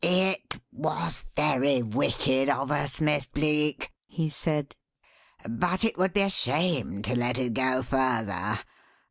"It was very wicked of us, Miss Bleek," he said, "but it would be a shame to let it go further.